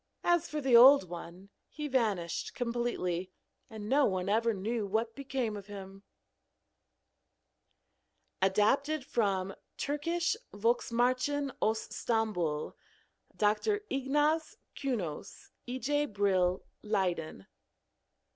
As for the old one, he vanished completely, and no one ever knew what became of him. (Adapted from Türkische Volksmärchen aus Stambul. Dr. Ignaz Künos. E. J. Brill, Leiden.)